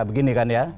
begini kan ya